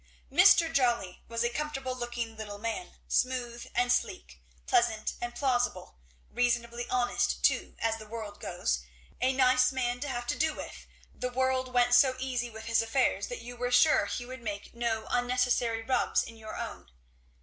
Mr. Jolly was a comfortable looking little man, smooth and sleek, pleasant and plausible, reasonably honest too, as the world goes; a nice man to have to do with, the world went so easy with his affairs that you were sure he would make no unnecessary rubs in your own.